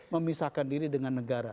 memisahkan diri dengan negara